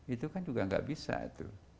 itu kan juga gak bisa itu